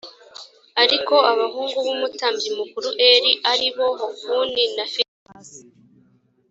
ariko abahungu b umutambyi mukuru eli ari bo hofuni na finehasi